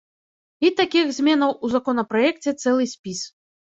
І такіх зменаў ў законапраекце цэлы спіс.